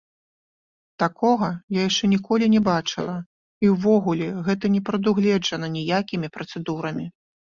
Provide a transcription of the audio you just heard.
Такога я яшчэ ніколі не бачыла, і ўвогуле гэта не прадугледжана ніякімі працэдурамі.